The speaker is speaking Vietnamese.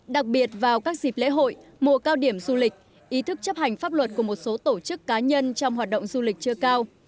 đặc biệt vào các dịp lễ hội mùa cao điểm du lịch ý thức chấp hành pháp luật của một số tổ chức cá nhân trong hoạt động du lịch chưa cao